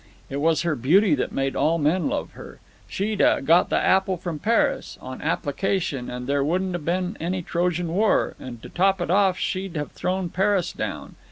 It was her beauty that made all men love her. She'd 'a' got the apple from Paris, on application, and there wouldn't have been any Trojan War, and to top it off she'd have thrown Paris down.